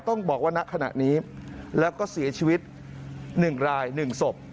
ต้องบอกว่าณขณะนี้แล้วก็เสียชีวิต๑ราย๑ศพ